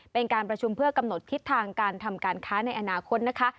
เป็นการประชุมเพื่อกำหนดทิศทางการทำการค้าในอนาคตนะคะ